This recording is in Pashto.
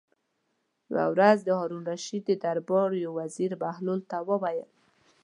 یوه ورځ د هارون الرشید د دربار یو وزیر بهلول ته وویل.